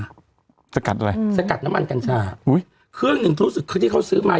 สกัดอะไรอืมสกัดน้ำมันกัญชาอุ้ยเครื่องหนึ่งรู้สึกคือที่เขาซื้อมา